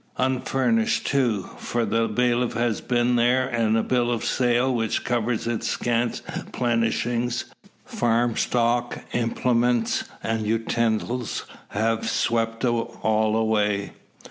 Unfurnished too: for the bailiff has been there, and a bill of sale, which covered its scant plenishing, farm stock, implements and utensils, has swept all away.